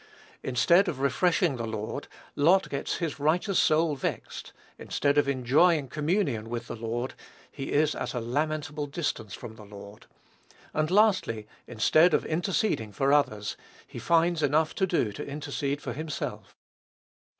Instead of refreshing the Lord, Lot gets his righteous soul vexed; instead of enjoying communion with the Lord, he is at a lamentable distance from the Lord; and lastly, instead of interceding for others, he finds enough to do to intercede for himself.